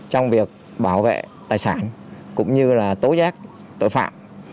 trong việc bảo vệ tài sản cũng như là tố giác tội phạm